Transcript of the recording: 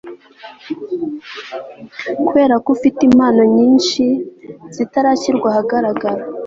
kuberako ufite impano nyinshi zitarashyirwa ahagaragara